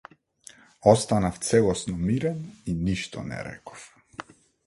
Останав целосно мирен и ништо не реков.